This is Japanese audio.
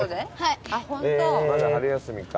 まだ春休みか。